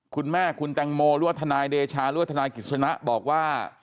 คุณแม่คุณดังโมรัวทนายเดชารัวทนายกิจชนะบอกว่า